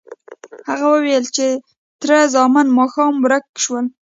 هغه وویل چې تره زامن ماښام ورک شول.